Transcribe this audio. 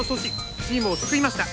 チームを救いました。